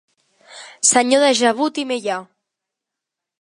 Senyor de Gebut i Meià.